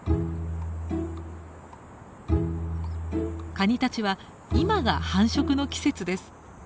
カニたちは今が繁殖の季節です。